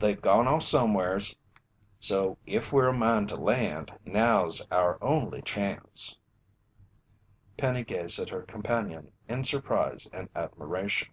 "They've gone off somewheres, so if we're a mind to land, now's our only chance." Penny gazed at her companion in surprise and admiration.